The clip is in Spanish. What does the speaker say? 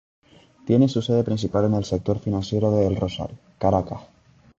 Tiene su sede principal en el sector financiero de El Rosal, Caracas.